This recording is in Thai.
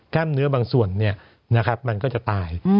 เนื้อบางส่วนมันก็จะตาย